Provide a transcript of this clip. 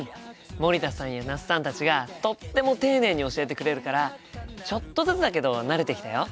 森田さんや那須さんたちがとっても丁寧に教えてくれるからちょっとずつだけど慣れてきたよ。